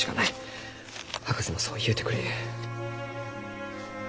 博士もそう言うてくれゆう。